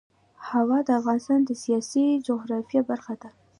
هوا د افغانستان د سیاسي جغرافیه برخه ده.